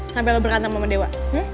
sampai lo berkanta sama dewa